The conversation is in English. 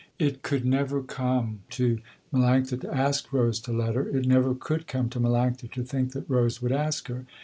It could never come to Melanctha to ask Rose to let her. It never could come to Melanctha to think that Rose would ask her.